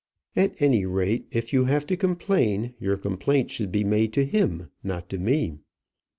"At any rate, if you have to complain, your complaint should be made to him, not to me."